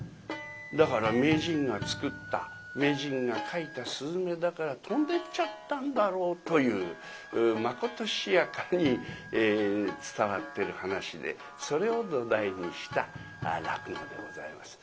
だから名人が作った名人が描いた雀だから飛んでっちゃったんだろうというまことしやかに伝わってる噺でそれを土台にした落語でございます。